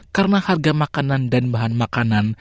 karena harga makanan dan bahan makanan